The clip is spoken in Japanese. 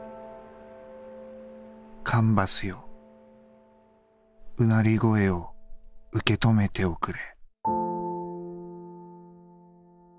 「カンバスよ唸り声を受け止めておくれ」。